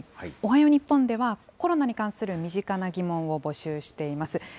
おはよう日本では、コロナに関する身近なギモンを募集しています。